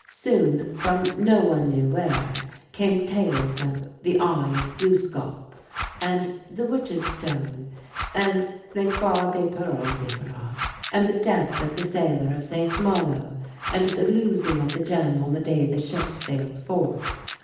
Soon, from no one knew where, came tales of "The Eye of Gluskâp," and "The Witch's Stone," and "L'Etoile de Pierrot Desbarat," and the death of the sailor of St. Malo, and the losing of the gem on the day the ship sailed forth.